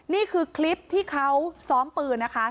นี่คือคลิปที่เขาซ้อมปืนนะคะ